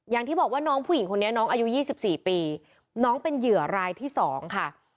อย่างที่บอกว่าน้องผู้หญิงคนนี้น้องอายุ๒๔ปีน้องเป็นเหยื่อรายที่๒ค่ะ